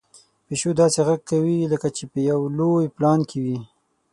پيشو داسې غږ کوي لکه چې په یو لوی پلان کې وي.